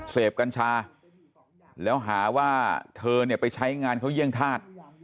กัญชาแล้วหาว่าเธอเนี่ยไปใช้งานเขาเยี่ยงธาตุ